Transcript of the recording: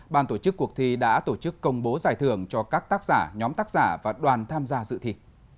ban tổ chức cuộc thi đã tổ chức công bố giải thưởng cho các tác giả nhóm tác giả và đoàn tham gia dự thi